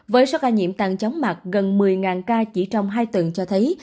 với số ca nhiễm tăng chóng mặt gần một mươi ca chỉ trong hai tuần cho thấy